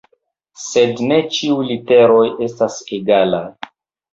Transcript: Sed ne ĉiuj literoj estas egalaj.